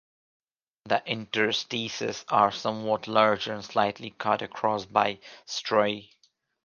The interstices are somewhat larger and slightly cut across by striae.